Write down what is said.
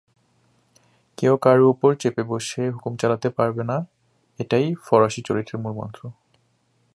কেউ কারু উপর চেপে বসে হুকুম চালাতে পাবে না, এইটিই ফরাসীচরিত্রের মূলমন্ত্র।